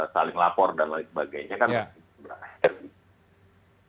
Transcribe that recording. saling lapor dan lain sebagainya kan berakhir